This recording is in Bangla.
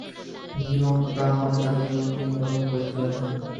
বিল্বন প্রাণপণে তাহাদিগকে নিবারণ করিতে লাগিলেন।